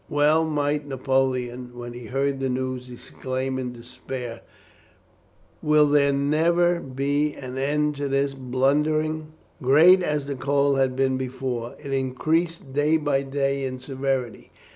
Well might Napoleon when he heard the news exclaim in despair: "Will there never be an end to this blundering?" Great as the cold had been before, it increased day by day in severity.